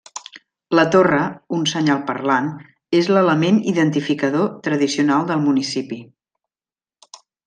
La torre, un senyal parlant, és l'element identificador tradicional del municipi.